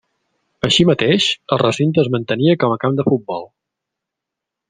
Així mateix, el recinte es mantenia com a camp de futbol.